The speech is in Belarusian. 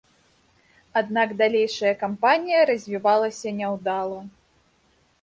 Аднак далейшая кампанія развівалася няўдала.